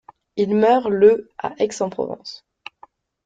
Il meurt le à Aix-en-Provence.